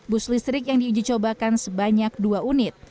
bus listrik yang diujicobakan sebanyak dua unit